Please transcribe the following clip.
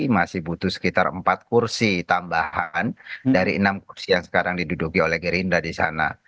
masih butuh sekitar empat kursi tambahan dari enam kursi yang sekarang diduduki oleh gerindra di sana